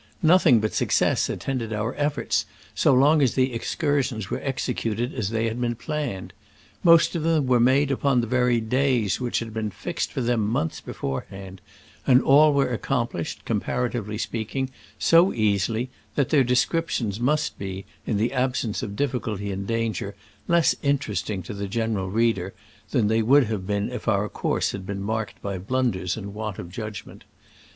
Nothing but success attended our efiforts so long as the excursions were executed as they had been planned. Most of them were made upon the very days which had been fixed for them months beforehand ; and all were accomplished, comparatively speaking, so easily that their descriptions must be, in the absence of difficulty and danger, less interesting to the general reader than they would Digitized by Google SCRAMBLES AMONGST THE ALPS IN i86o '69. Ill have been if our course had been mark ed by blunders and want of judgment.